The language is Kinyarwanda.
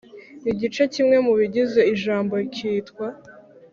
igice kimwe mu bigize ijambo kitwa